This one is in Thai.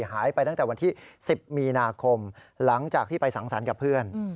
หายไปตั้งแต่วันที่๑๐มีนาคมหลังจากที่ไปสังสรรค์กับเพื่อน